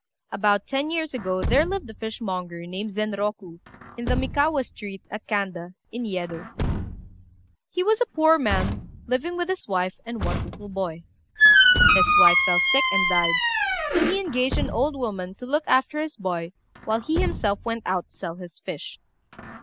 About ten years ago there lived a fishmonger, named Zenroku, in the Mikawa street, at Kanda, in Yedo. He was a poor man, living with his wife and one little boy. His wife fell sick and died, so he engaged an old woman to look after his boy while he himself went out to sell his fish.